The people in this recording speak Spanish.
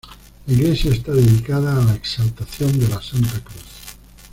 La iglesia está dedicada a La Exaltación de la Santa Cruz.